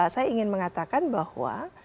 saya ingin mengatakan bahwa